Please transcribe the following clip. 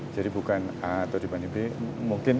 jadi bukan a atau dibanding b